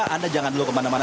anda jangan dulu kemana mana